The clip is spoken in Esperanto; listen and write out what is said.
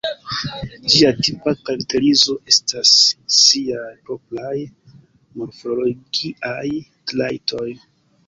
Ĝia tipa karakterizo estas siaj propraj morfologiaj trajtoj.